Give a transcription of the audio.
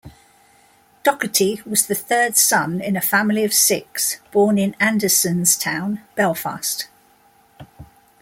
Doherty was the third son in a family of six born in Andersonstown, Belfast.